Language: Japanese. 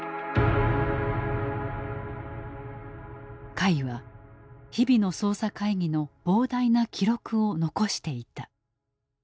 甲斐は日々の捜査会議の膨大な記録を残していた。